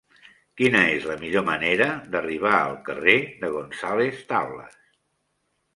Quina és la millor manera d'arribar al carrer de González Tablas?